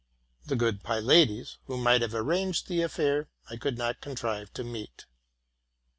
The good Pylades, who might have arranged the affair, I could not contrive to meet.